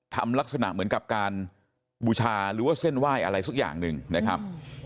ทำลักษณะเหมือนกับการบูชาหรือว่าเส้นไหว้อะไรสักอย่างหนึ่งนะครับ